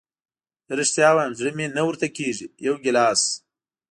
زه رښتیا وایم زړه مې نه ورته کېږي، یو ګیلاس.